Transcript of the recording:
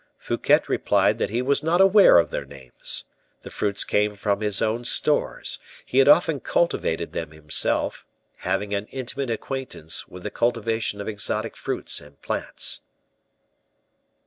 Fouquet replied that he was not aware of their names. The fruits came from his own stores; he had often cultivated them himself, having an intimate acquaintance with the cultivation of exotic fruits and plants.